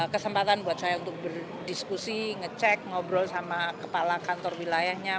kesempatan buat saya untuk berdiskusi ngecek ngobrol sama kepala kantor wilayahnya